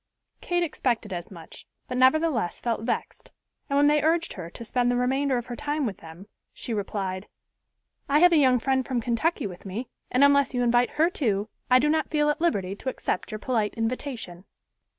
Kate expected as much, but nevertheless felt vexed, and when they urged her to spend the remainder of her time with them, she replied, "I have a young friend from Kentucky with me, and unless you invite her too, I do not feel at liberty to accept your polite invitation."